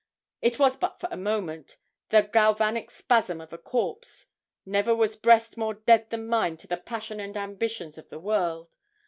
It was but for a moment the galvanic spasm of a corpse. Never was breast more dead than mine to the passions and ambitions of the world.